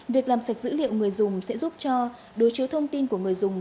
việc làm sạch dữ liệu người dùng sẽ giúp cho đối chiếu thông tin của người dùng